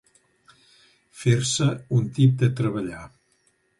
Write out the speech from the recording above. Fer-se un tip de treballar.